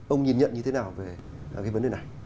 ông nhìn nhận như thế nào về cái vấn đề này